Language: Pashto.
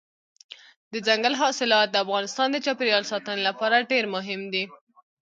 دځنګل حاصلات د افغانستان د چاپیریال ساتنې لپاره ډېر مهم دي.